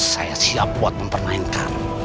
saya siap buat mempermainkan